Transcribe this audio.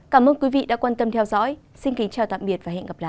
cảm ơn quý vị đã quan tâm theo dõi xin kính chào tạm biệt và hẹn gặp lại